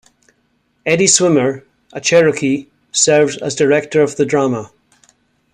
Eddie Swimmer, a Cherokee, serves as director of the drama.